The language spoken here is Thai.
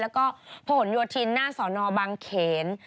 แล้วก็โผ่นยวทินหน้าสอนอบังเขน